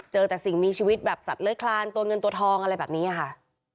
เจอแต่สิ่งมีชีวิตแบบสัตว์เลื้อยคลานตัวเงินตัวทองอะไรแบบนี้ค่ะ